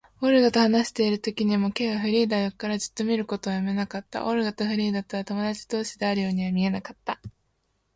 オルガと話しているときにも、Ｋ はフリーダを横からじっと見ることをやめなかった。オルガとフリーダとは友だち同士であるようには見えなかった。